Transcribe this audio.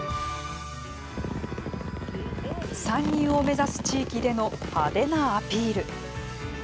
参入を目指す地域での派手なアピール。